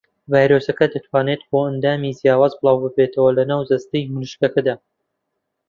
ڤایرۆسەکە دەتوانێت بۆ ئەندامی جیاواز بڵاوببێتەوە لە ناو جەستەی مریشکەکەدا.